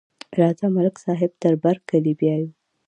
راځه، ملک صاحب تر برکلي بیایو.